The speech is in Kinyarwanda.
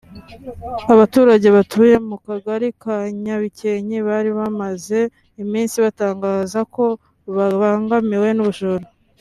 Abaturage batuye mu Kagari ka Nyabikenke bari bamaze iminsi batangaza ko babangamiwe n’ubujura